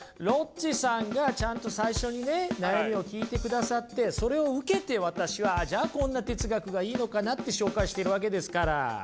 ロッチさんがちゃんと最初にね悩みを聞いてくださってそれを受けて私はじゃあこんな哲学がいいのかなって紹介してるわけですから。